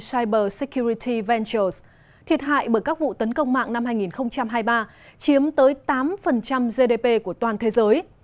cybersecurity ventures thiệt hại bởi các vụ tấn công mạng năm hai nghìn hai mươi ba chiếm tới tám gdp của toàn thế giới